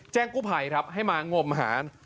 แจ้งกุภัยครับให้มางมหา